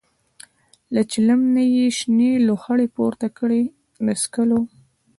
له چلم نه یې شنې لوخړې پورته کړې د څکلو.